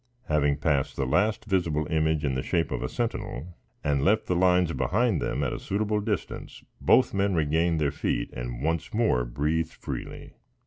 Having passed the last visible image in the shape of a sentinel and left the lines behind them at a suitable distance, both men regained their feet, and once more breathed freely.